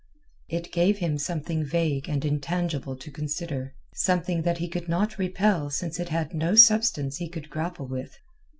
It gave him something vague and intangible to consider. Something that he could not repel since it had no substance he could grapple with.